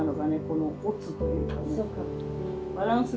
このおつというかね。